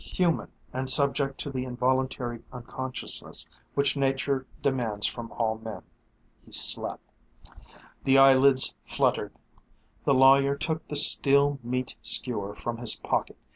Human, and subject to the involuntary unconsciousness which nature demands from all men. He slept. The eyelids fluttered. The lawyer took the steel meat skewer from his pocket.